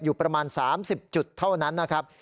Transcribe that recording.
อยู่ประมาณ๓๐จุดเท่านั้นนะครับ